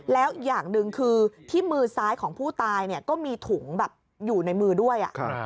แล้วอย่างหนึ่งคือที่มือซ้ายของผู้ตายก็มีถุงแบบอยู่ในมือด้วย